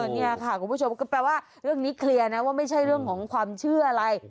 นี่ค่ะคุณผู้ชมก็แปลว่าเรื่องนี้เคลียร์นะว่าไม่ใช่เรื่องของความเชื่ออะไร